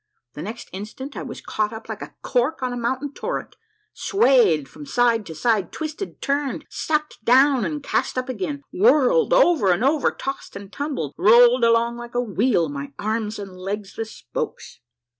The next instant I was caught up like a cork on a mountain torrent, swayed from side to side, twisted, turned, sucked down and cast up again, whirled over and over, tossed and tumbled, rolled along like a wheel, my arms and legs the spokes